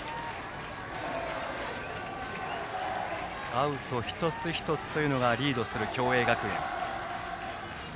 アウト一つ一つというのがリードする共栄学園。